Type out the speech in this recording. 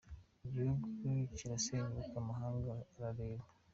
Igihugu kirasenyuka amahanga arebera